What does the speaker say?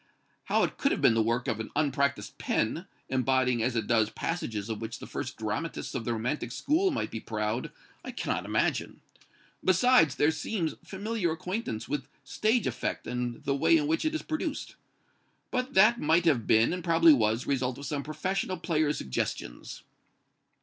How it could have been the work of an unpracticed pen, embodying as it does passages of which the first dramatists of the romantic school might be proud, I cannot imagine. Besides, there seems familiar acquaintance with stage effect and the way in which it is produced. But that might have been, and probably was, the result of some professional player's suggestions."